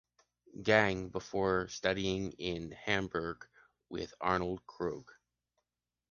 Gänge, before studying in Hamburg with Arnold Krug.